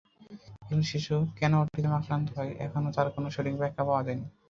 একটি শিশু কেন অটিজমে আক্রান্ত হয়, এখনো তার কোনো সঠিক ব্যাখ্যা পাওয়া যায়নি।